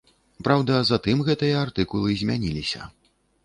Праўда, затым гэтыя артыкулы змяніліся.